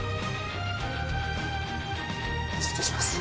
失礼します。